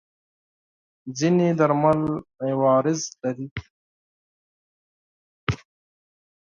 ځینې درمل عوارض لري.